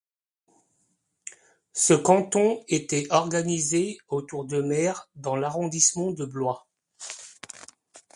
Ce canton était organisé autour de Mer dans l'arrondissement de Blois.